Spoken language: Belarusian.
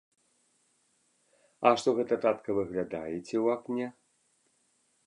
А што гэта, татка, выглядаеце ў акне?